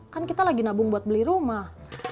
kan kita lagi nabung buat beli rumah